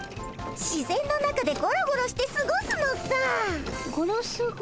自然の中でゴロゴロしてすごすのさ。ゴロスゴ。